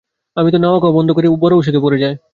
অমিতা নাওয়া-খাওয়া বন্ধ করে বড় অসুখে পড়ে যায়।